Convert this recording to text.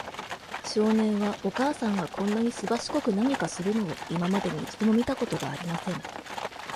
少年は、お母さんがこんなにすばしこく何かするのを、今までに一度も見たことがありません。